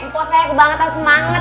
pak sayang aku banget tak semangat